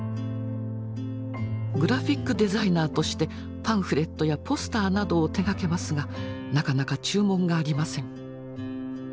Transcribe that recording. グラフィックデザイナーとしてパンフレットやポスターなどを手がけますがなかなか注文がありません。